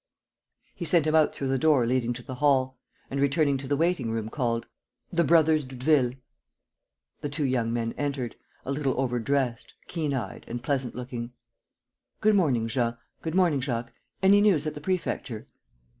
He sent him out through the door leading to the hall, and, returning to the waiting room, called: "The brothers Doudeville." Two young men entered, a little overdressed, keen eyed and pleasant looking. "Good morning, Jean. Good morning, Jacques. Any news at the Prefecture?"